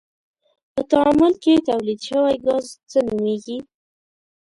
په تعامل کې تولید شوی ګاز څه نومیږي؟